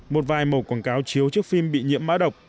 một vài màu quảng cáo chiếu trước phim bị nhiễm mã độc